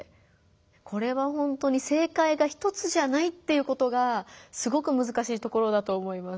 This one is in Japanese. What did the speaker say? これはほんとに正解が一つじゃないっていうことがすごくむずかしいところだと思います。